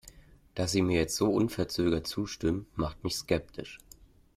Dass sie mir jetzt so unverzögert zustimmt, macht mich skeptisch.